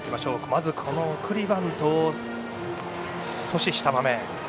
まず、送りバントを阻止した場面。